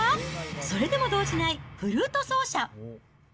それでも動じないフルート奏者。